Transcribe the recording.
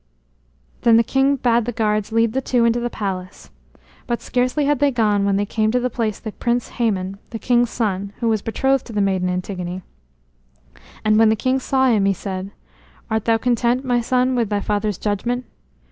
Then the king bade the guards lead the two into the palace. But scarcely had they gone when there came to the place the Prince Hæmon, the king's son, who was betrothed to the maiden Antigone. And when the king saw him, he said: "Art thou content, my son, with thy father's judgment?"